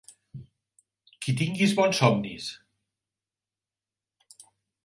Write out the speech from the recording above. Qui tinguis bons somnis.